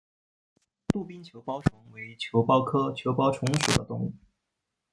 杜宾球孢虫为球孢科球孢虫属的动物。